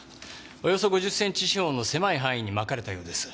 およそ５０センチ四方の狭い範囲にまかれたようです。